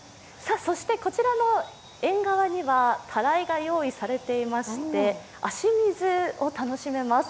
そしてこちらの縁側にはたらいが用意されていまして足水を楽しめます。